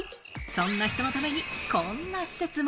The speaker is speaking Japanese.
そんな人のために、こんな施設も。